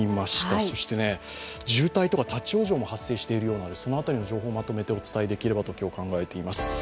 そして、渋滞とか立往生も発生しているようなので、その辺りの情報もまとめてお伝えできればと今日考えています。